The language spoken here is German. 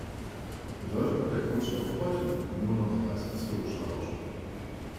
Bedeutung hat der Kunststoff heute nur noch als historischer Baustoff.